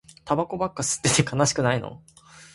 タバコばっか吸ってて悲しくないの